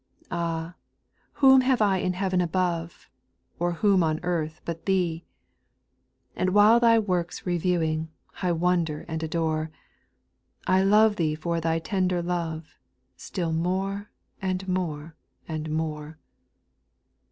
Ah I whom have I in heaven above, or whom on earth but Thee ? And while Thy works reviewing, I wonder and adore, I love Thee for Thy tender love, still morc^ and more, and more.